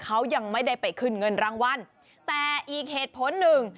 เขายังไม่ได้ไปขึ้นเงินรางวัลแต่อีกเหตุผลหนึ่ง